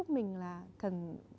mình là cần